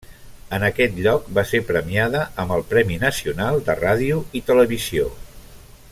En aquest lloc va ser premiada amb el Premi Nacional de Ràdio i Televisió.